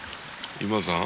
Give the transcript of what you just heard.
今田さん？